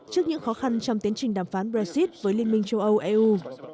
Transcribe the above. trước những khó khăn trong tiến trình đàm phán brexit với liên minh châu âu eu